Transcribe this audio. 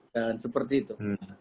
dan seperti itu